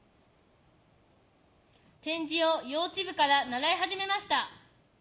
点字を幼稚部から習い始めました。